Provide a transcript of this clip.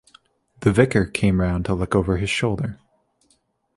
The vicar came round to look over his shoulder.